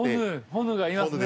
ホヌがいますね。